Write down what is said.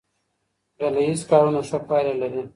ډله ییز کارونه ښه پایله لري.